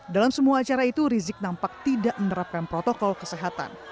dalam semua acara itu rizik nampak tidak menerapkan protokol kesehatan